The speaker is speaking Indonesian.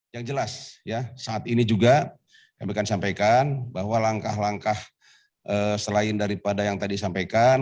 yang jelas ya saat ini juga kami akan sampaikan bahwa langkah langkah selain daripada yang tadi sampaikan